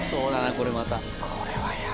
これまた。